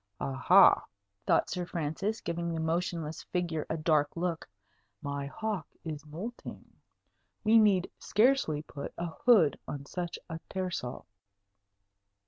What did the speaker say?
"Aha!" thought Sir Francis, giving the motionless figure a dark look, "my hawk is moulting. We need scarcely put a hood on such a tersel."